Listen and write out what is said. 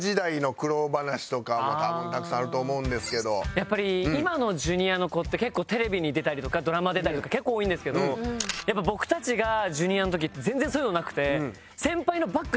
やっぱり今のＪｒ．の子って結構テレビに出たりとかドラマ出たりとか結構多いんですけどやっぱ僕たちがＪｒ．の時って全然そういうのなくて。